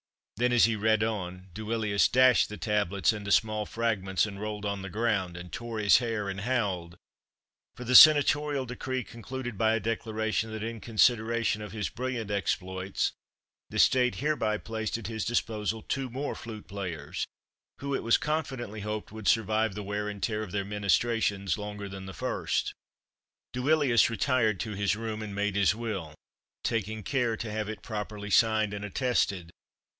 Then, as he read on, Duilius dashed the tablets into small fragments, and rolled on the ground, and tore his hair, and howled; for the senatorial decree concluded by a declaration that, in consideration of his brilliant exploits, the State hereby placed at his disposal two more flute players, who, it was confidently hoped, would survive the wear and tear of their ministrations longer than the first. Duilius retired to his room and made his will, taking care to have it properly signed and attested.